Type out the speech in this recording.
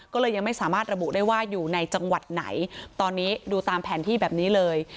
ก็เลยยังไม่สามารถระบุได้ว่าอยู่ในจังหวัดไหนตอนนี้ดูตามแผนที่แบบนี้เลย